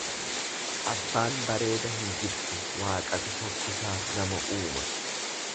Abbaan bareeda hin jibbu Waaqatu fokkisaa nama uuma.